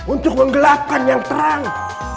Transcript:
untuk menggelapkan yang terang